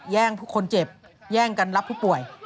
คนเจ็บแย่งกันรับผู้ป่วย